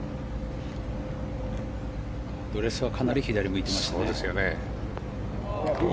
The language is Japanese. アドレスはかなり左に向いていましたね。